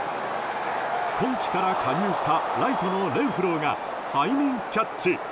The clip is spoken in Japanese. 今季から加入したライトのレンフローが背面キャッチ！